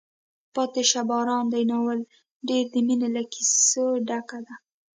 پاتې شه باران دی ناول ډېر د مینې له کیسو ډک ده.